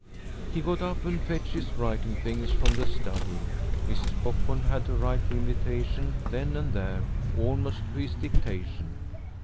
He got up and fetched his writing things from the study. Mrs. Cockburn had to write the invitation then and there, almost to his dictation.